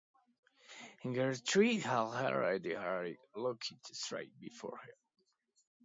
Gertrude held her head erect, looked straight before her.